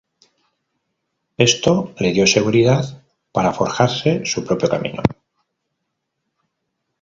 Esto le dio seguridad para forjarse su propio camino.